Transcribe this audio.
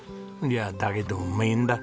だけどうめえんだ。